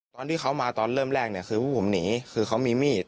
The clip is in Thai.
ตอนที่เขามาตอนเริ่มแรกเนี่ยคือพวกผมหนีคือเขามีมีด